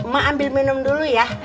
mak ambil minum dulu ya